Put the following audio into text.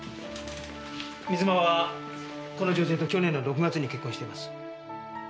水間はこの女性と去年の６月に結婚しています。